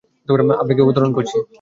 আমরা কি অবতরণ করছি?